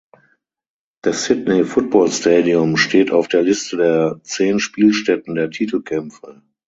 Das Sydney Football Stadium steht auf der Liste der zehn Spielstätten der Titelkämpfe.